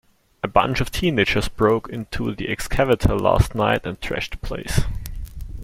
A bunch of teenagers broke into the excavator last night and trashed the place.